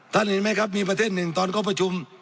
ท่านเห็นไหมครับมีประมาณครับ๑ตอนเขาประชุม